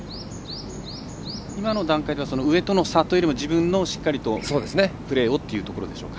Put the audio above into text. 今の段階では上との差というよりも自分のしっかりとプレーをというところでしょうか。